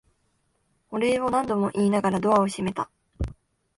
お礼を何度も言いながらドアを閉めた。